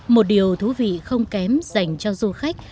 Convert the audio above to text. một điều thú vị không kém dành cho du khách